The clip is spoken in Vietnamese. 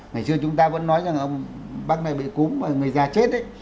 ngày xưa chúng ta vẫn nói rằng ông bác này bị cúm là người già chết ấy